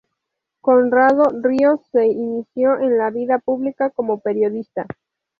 Conrado Ríos se inició en la vida pública como periodista.